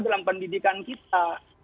dalam pendidikan kita